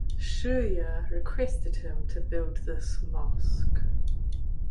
Shuja requested him to built this mosque.